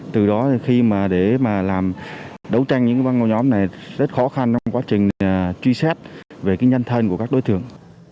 từ đó để làm đấu tranh những băng nhóm này rất khó khăn trong quá trình truy xét về nhân thân của các đối tượng